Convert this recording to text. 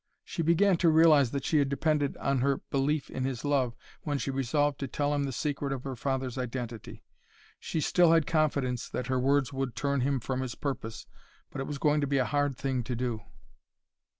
She began to realize that she had depended much on her belief in his love when she resolved to tell him the secret of her father's identity. She still had confidence that her words would turn him from his purpose but it was going to be a hard thing to do!